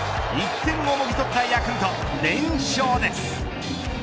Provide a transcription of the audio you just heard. １点をもぎ取ったヤクルト連勝です。